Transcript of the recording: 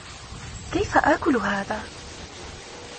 كيف آكل هذا؟